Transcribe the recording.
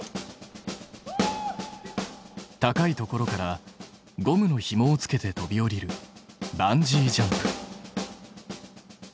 高い所からゴムのひもをつけて飛び降りるバンジージャンプ。